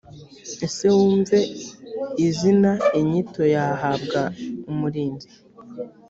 ese wumve izina inyito y ahabwa umurinzi